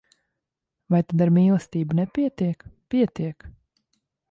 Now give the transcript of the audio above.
Vai tad ar mīlestību nepietiek? Pietiek!